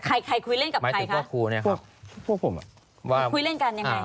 ใครใครคุยเล่นกับใครคะพวกผมอ่ะว่าคุยเล่นกันยังไง